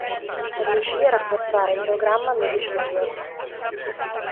Riuscì a rafforzare il programma Medicare.